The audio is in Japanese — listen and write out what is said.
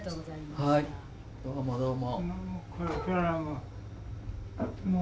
はいどうもどうも。